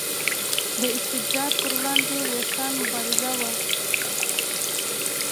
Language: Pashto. د استبداد پر وړاندې د ویښتیا مبارزه وه.